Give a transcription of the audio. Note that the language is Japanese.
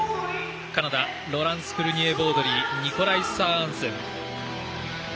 カナダのロランス・フルニエボードリーニゴライ・サアアンスン。